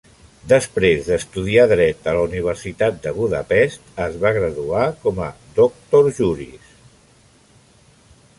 Després d'estudiar dret a la Universitat de Budapest, es va graduar com a "doctor juris".